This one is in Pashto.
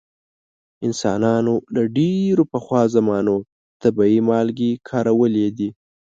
انسانانو له ډیرو پخوا زمانو طبیعي مالګې کارولې دي.